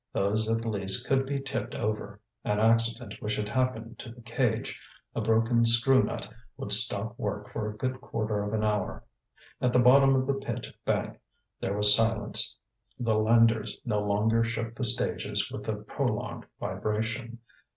Those at least could be tipped over; an accident which had happened to the cage, a broken screw nut, would stop work for a good quarter of an hour. At the bottom of the pit bank there was silence; the landers no longer shook the stages with a prolonged vibration.